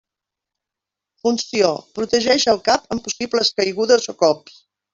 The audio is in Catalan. Funció: protegeix el cap en possibles caigudes o cops.